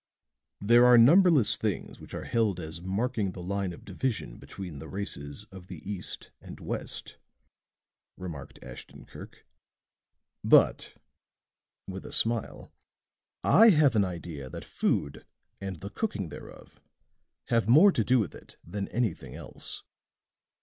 "There are numberless things which are held as marking the line of division between the races of the East and West," remarked Ashton Kirk. "But," with a smile, "I have an idea that food and the cooking thereof has more to do with it than anything else.